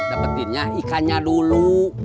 dapetinnya ikannya dulu